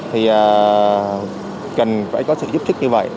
thì cần phải có sự giúp thức như vậy